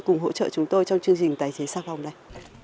cùng hỗ trợ chúng tôi trong chương trình tài chế sà phòng này